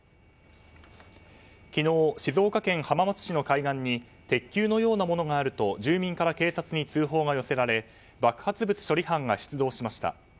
昨日、静岡県浜松市の海岸に鉄球のようなものがあると住民から警察に通報が寄せられ爆発物処理班が出動しました。